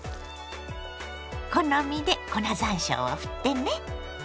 好みで粉ざんしょうをふってね。